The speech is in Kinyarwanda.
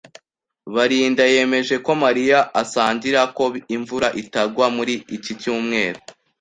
Barinda yemeje ko Mariya asangira ko imvura itagwa muri iki cyumweru.